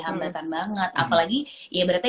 hambatan banget apalagi ya berarti